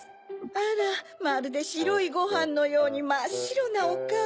あらまるでしろいごはんのようにまっしろなおカオ。